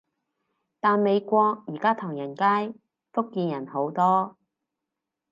但美國而家唐人街，福建人好多